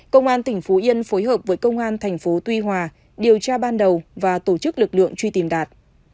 công an tỉnh phú yên phối hợp với công an thành phố tuy hòa điều tra ban đầu và tổ chức lực lượng truy tìm đạt